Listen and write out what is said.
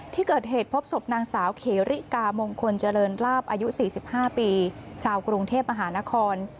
ที่เกิดเหตุพบศพนางสาวเขริกามงคลเจริญลาบอายุ๔๕ปีชาวกรุงเทพมหานคร